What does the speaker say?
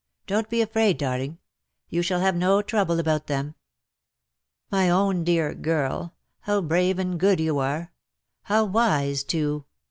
Don^t be afraid, darling. You shall have no trouble about them. My own dear girl — how brave and good you are — how wise too.